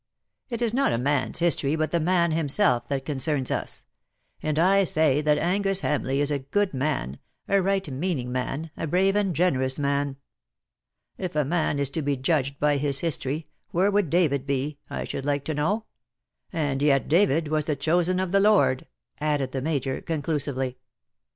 It is not a man^s history, but the man himself, that concerns us; and I say that Angus Hamleigh is a good man, a right meaning man, a brave and generous man. If a man is to be judged by his history, where would David be, I should like to know? and yet David was the chosen of the Lord V added the Major, conclusively.